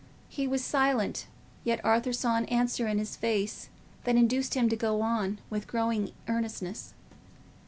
He was silent; yet Arthur saw an answer in his face that induced him to go on, with growing earnestness.